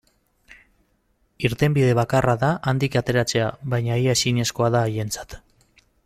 Irtenbide bakarra da handik ateratzea, baina ia ezinezkoa da haientzat.